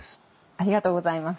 ありがとうございます。